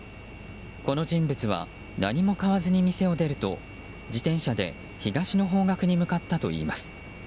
この人物は何も買わずに店を出ると自転車で東の方角に向かったといいます。